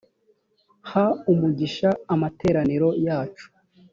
ha umugisha amateraniro yacu